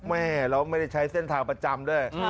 แม่แล้วไม่ได้ใช้เส้นทางประจำด้วย